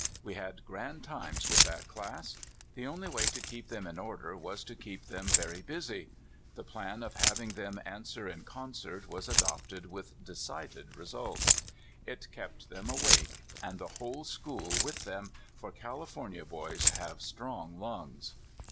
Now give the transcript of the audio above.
We had grand times with that class. The only way to keep them in order was to keep them very busy. The plan of having them answer in concert was adopted with decided results. It kept them awake — and the whole school with them, for California boys have strong lungs.